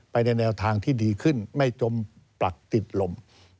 ในแนวทางที่ดีขึ้นไม่จมปลักติดลม